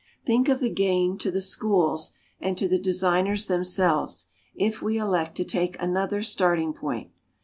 Think of the gain to the "Schools," and to the designers themselves, if we elect to take another starting point!